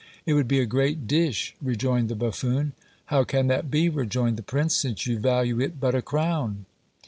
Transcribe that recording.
"It would be a great dish," rejoined the buffoon. "How can that be," rejoined the prince, "since you value it but a crown?"